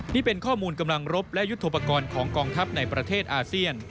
นี่เป็นข้อมูลกำลังรบและยุทธโปรกรณ์ของกองทัพในประเทศอาเซียน